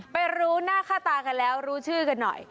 รู้หน้าค่าตากันแล้วรู้ชื่อกันหน่อย